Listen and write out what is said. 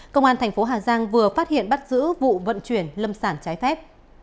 công an tp hà giang vừa phát hiện bắt giữ vụ vận chuyển lâm sản trái phép